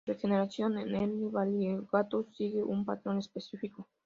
La regeneración en "L. variegatus" sigue un patrón específico.